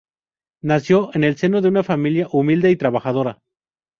Nació en el seno de una familia humilde y trabajadora.